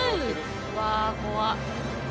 うわ怖っ。